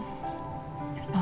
andi makasih ya kamu datang